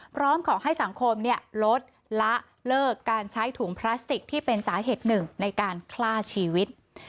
พร้อมขอให้สังคมลดละเลิกการใช้ถุงพลาสติกที่เป็นสาเหตุหนึ่งในการฆ่าชีวิต